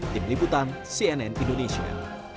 tim liputan cnn indonesia